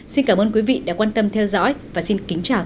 xin cảm ơn quý vị đã quan tâm theo dõi và xin kính chào